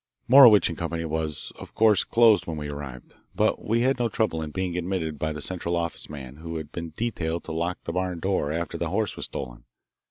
Morowitch & Co. was, of course, closed when we arrived, but we had no trouble in being admitted by the Central Office man who had been detailed to lock the barn door after the horse was stolen.